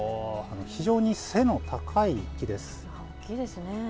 非常に背の高い木です。